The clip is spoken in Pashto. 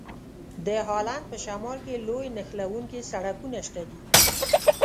د هالند په شمال کې لوی نښلوونکي سړکونه شته دي.